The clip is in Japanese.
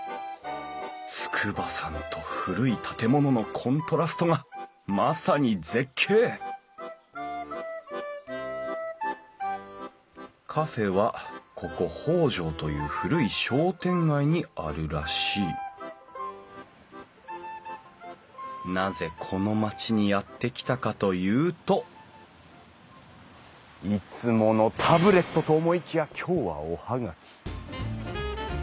筑波山と古い建物のコントラストがまさに絶景カフェはここ北条という古い商店街にあるらしいなぜこの町にやって来たかというといつものタブレットと思いきや今日はお葉書。